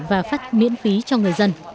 và phát miễn phí cho người dân